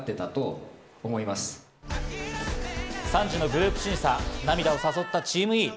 ３次のグループ審査、涙を誘ったチームＥ。